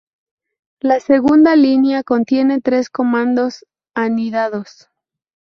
La segunda línea contiene tres comandos anidados.